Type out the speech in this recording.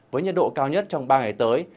với nhật độ cao nhất trong ba ngày tới